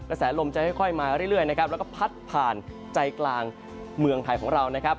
แสลมจะค่อยมาเรื่อยนะครับแล้วก็พัดผ่านใจกลางเมืองไทยของเรานะครับ